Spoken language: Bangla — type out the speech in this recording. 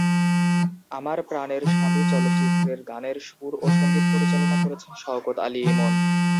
আমার প্রাণের স্বামী চলচ্চিত্রের গানের সুর ও সঙ্গীত পরিচালনা করেছেন শওকত আলী ইমন।